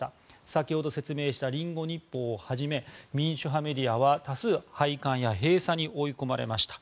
先ほど説明したリンゴ日報をはじめ民主派メディアは多数廃刊や閉鎖に追い込まれました。